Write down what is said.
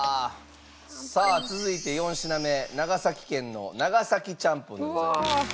さあ続いて４品目長崎県の長崎ちゃんぽんでございます。